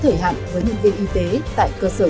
thời hạn với nhân viên y tế tại cơ sở